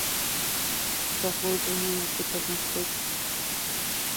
پخو ذهنونو کې پرمختګ وي